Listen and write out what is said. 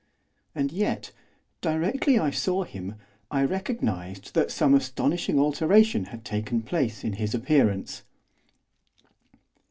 And yet, directly I saw him, I recognised that some astonishing alteration had taken place in his appearance.